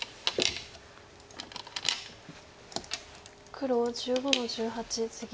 黒１５の十八ツギ。